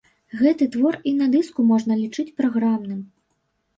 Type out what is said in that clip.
Гэты твор і на дыску можна лічыць праграмным.